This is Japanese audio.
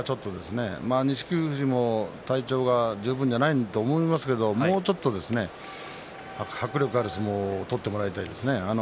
錦富士も体調が十分ではないと思いますがもう少し迫力のある相撲を取ってほしいですね。